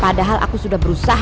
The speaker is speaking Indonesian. jadi mereka sudah berusaha